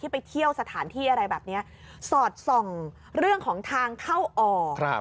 ที่ไปเที่ยวสถานที่สอดส่องเครื่องทางเข้าออก